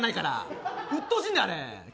うっとうしいんだ、あれ。